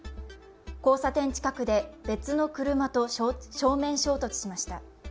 交差点近くで別の車と正面衝突しました。